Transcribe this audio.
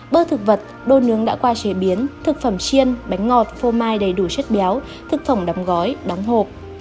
bơ thực vật đôi nướng đã qua chế biến thực phẩm chiên bánh ngọt phô mai đầy đủ chất béo thực phẩm đóng gói đóng hộp